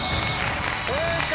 正解！